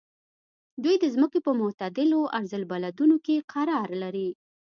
دوی د ځمکې په معتدلو عرض البلدونو کې قرار لري.